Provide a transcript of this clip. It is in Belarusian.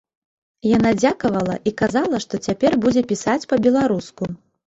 Яна дзякавала і казала, што цяпер будзе пісаць па-беларуску!